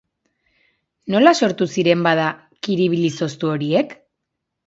Nola sortu ziren, bada, kiribil izoztu horiek?